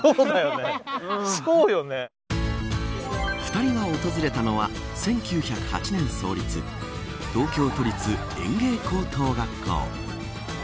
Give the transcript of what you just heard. ２人が訪れたのは１９０８年創立東京都立園芸高等学校。